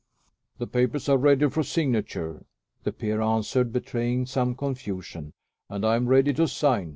"The papers are ready for signature," the peer answered, betraying some confusion, "and I am ready to sign.